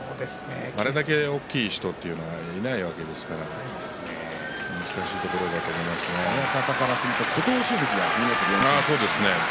あれだけ大きい人というのはいないわけですから親方からすると琴欧洲関が。